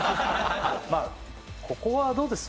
まあここはどうです？